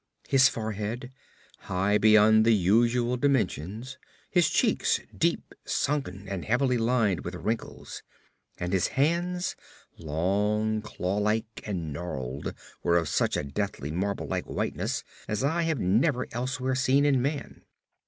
His forehead, high beyond the usual dimensions; his cheeks, deep sunken and heavily lined with wrinkles; and his hands, long, claw like and gnarled, were of such a deathly, marble like whiteness as I have never elsewhere seen in man.